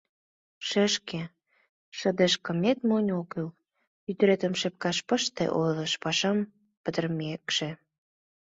— Шешке, шыдешкымет монь ок кӱл, ӱдыретым шепкаш пыште, — ойлыш пашам пытарымекше.